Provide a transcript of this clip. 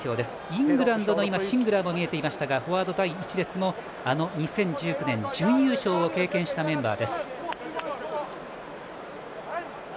イングランドのシンクラーも見えていましたがフォワード第１列の２０１９年、準優勝を経験したメンバーです。